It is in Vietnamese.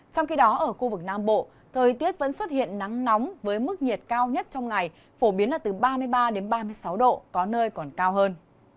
trong khi đó ở khu vực nam bộ thời tiết vẫn xuất hiện nắng nóng với mức nhiệt cao nhất trong ngày phổ biến là từ ba mươi ba đến ba mươi sáu độ có nơi còn cao hơn